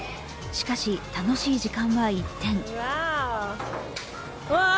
しかし、楽しい時間は一転。